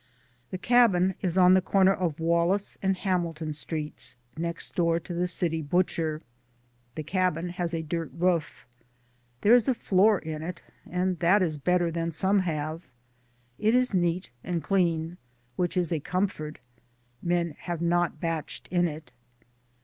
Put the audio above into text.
liMM The cabin is on the corner of Wallace and Hamilton Streets, next door to the city butcher. The cabin has a dirt roof. There is a floor in it, and that is better than some have. It is neat and clean, which is a com fort. Men have not bached in it.